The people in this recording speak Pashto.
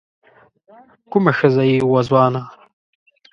کومه ښځه يې وه ځوانه